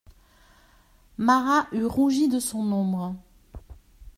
Marat eût rougi de son ombre.